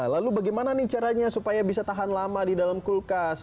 lalu bagaimana nih caranya supaya bisa tahan lama di dalam kulkas